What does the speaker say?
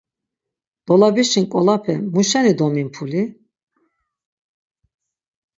Dolap̌işi nǩolape muşeni domimpuli?